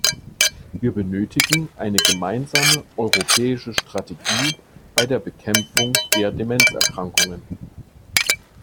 Wir benötigen eine gemeinsame europäische Strategie bei der Bekämpfung der Demenzerkrankungen.